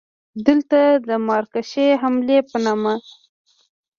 دلته د مراکشي محلې په نامه.